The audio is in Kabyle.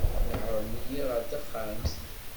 Nehren-iyi ɣer texxamt.